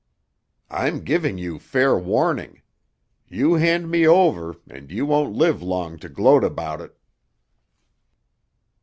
"I'm giving you fair warning. You hand me over and you won't live long to gloat about it!"